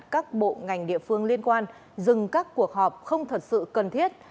các bộ ngành địa phương liên quan dừng các cuộc họp không thật sự cần thiết